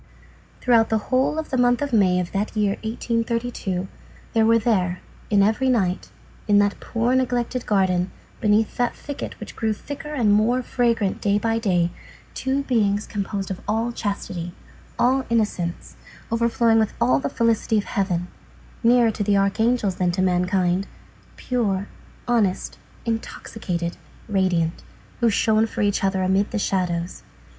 Throughout the whole of the month of May of that year 1832, there were there, in every night, in that poor, neglected garden, beneath that thicket which grew thicker and more fragrant day by day, two beings composed of all chastity, all innocence, overflowing with all the felicity of heaven, nearer to the archangels than to mankind, pure, honest, intoxicated, radiant, who shone for each other amid the shadows.